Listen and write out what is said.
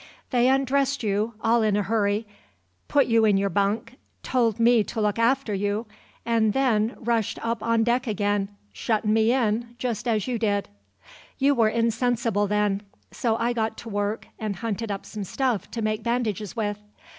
They undressed you, all in a hurry, put you in your bunk, told me to look after you, and then rushed up on deck again, shuttin' me in, just as you did. "You were insensible then, so I got to work and hunted up some stuff to make bandages with.